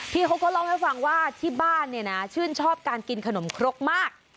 พี่เขาก็เล่าให้ฟังว่าที่บ้านเนี่ยนะชื่นชอบการกินขนมครกมาก